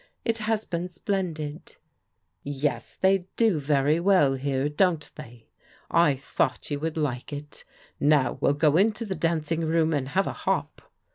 It has been splendid. " Yes, they do very well here, don't they ? I thougbt you would like it Now well go into the dandng room and have a hop."